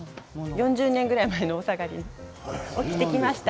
４０年ぐらい前のお下がりを着てきました。